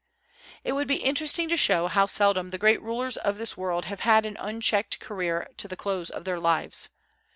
It would be interesting to show how seldom the great rulers of this world have had an unchecked career to the close of their lives.